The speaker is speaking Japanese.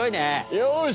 よし！